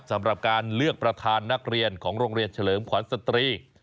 สำหรับการเลือกประธานนักเรียนของโรงเรียนเฉลิมขวัญสตรี